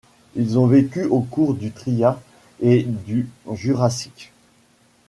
Ils ont vécu au cours du Trias et du Jurassique.